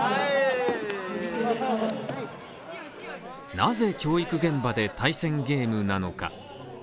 なぜ教育現場で対戦ゲームなのか。